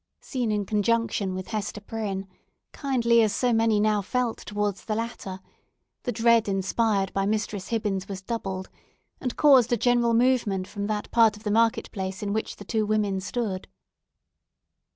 Seen in conjunction with Hester Prynne—kindly as so many now felt towards the latter—the dread inspired by Mistress Hibbins had doubled, and caused a general movement from that part of the market place in which the two women stood.